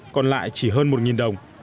còn lại chỉ hơn một đồng